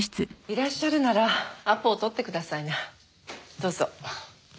どうぞ。